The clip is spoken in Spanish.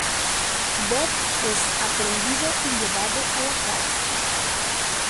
Bob es aprehendido y llevado a la cárcel.